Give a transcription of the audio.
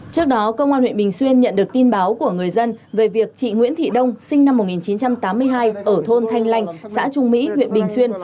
trước đó công an huyện bình xuyên nhận được tin báo của người dân về việc chị nguyễn thị đông sinh năm một nghìn chín trăm tám mươi hai ở thôn thanh lanh xã trung mỹ huyện bình xuyên